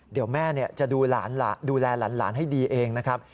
เดี๋ยวแม่จะดูแลหลานให้ดีเองนะครับ